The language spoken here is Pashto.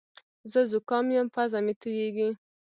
زه زوکام یم پزه مې تویېږې